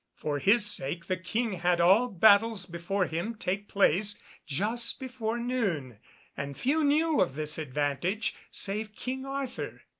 For his sake the King had all battles before him take place just before noon, and few knew of this advantage save King Arthur.